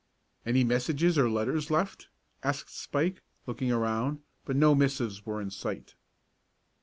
"Any messages or letters left?" asked Spike, looking around, but no missives were in sight.